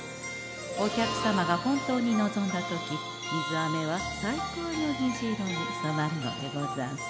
お客様が本当に望んだ時水あめは最高の虹色に染まるのでござんす。